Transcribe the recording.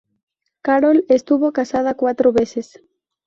Carroll estuvo casada cuatro veces.